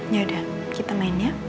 yaudah kita main ya